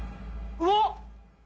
うわっ！